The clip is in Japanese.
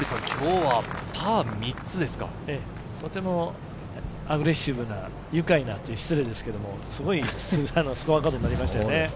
とてもアグレッシブな、愉快なと言ったら失礼ですが、すごいスコアカードになりましたよね。